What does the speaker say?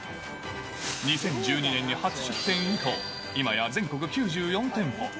２０１２年に初出店以降、今や全国９４店舗。